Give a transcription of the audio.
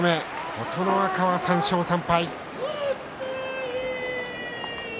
琴ノ若は３勝３敗です。